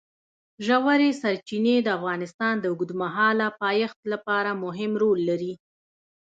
ژورې سرچینې د افغانستان د اوږدمهاله پایښت لپاره مهم رول لري.